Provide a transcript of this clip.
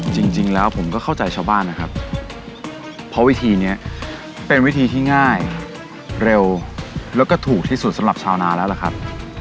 จริงแล้วผมก็เข้าใจชาวบ้านนะครับเพราะวิธีนี้เป็นวิธีที่ง่ายเร็วแล้วก็ถูกที่สุดสำหรับชาวนาแล้วล่ะครับ